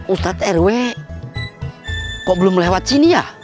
ustadz rw kok belum lewat sini ya